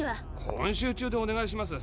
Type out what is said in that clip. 今週中でお願いします。